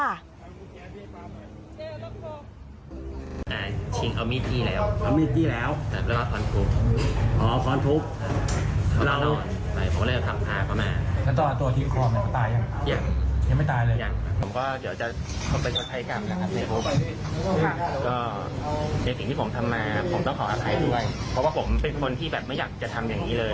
แล้วชิงเอามืออีกที่แล้ว